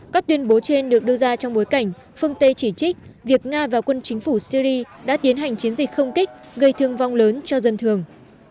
các tuyên bố trên được đưa ra trong bối cảnh phương tây chỉ trích việc nga và quân chính phủ syri đã tiến hành chiến dịch không kích gây thương vong lớn cho dân thường